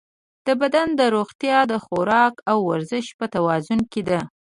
د بدن روغتیا د خوراک او ورزش په توازن کې ده.